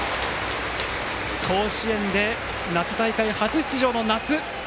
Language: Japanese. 甲子園で夏大会初出場の那須。